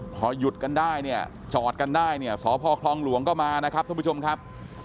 เพราะหยุดกันได้จอดกันได้ศคลองหลวงก็มานะครับทุกผู้ชมครับ